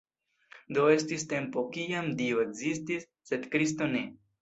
Do estis tempo kiam Dio ekzistis, sed Kristo ne.